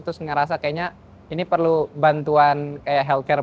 terus ngerasa kayaknya ini perlu bantuan kayak health carenya